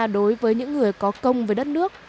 đối với những người có công với đất nước